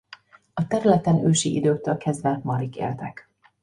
A területen ősi időktől kezdve marik éltek.